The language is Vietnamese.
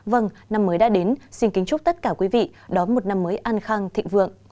vâng năm mới đã đến xin kính chúc tất cả quý vị đón một năm mới an khang thịnh vượng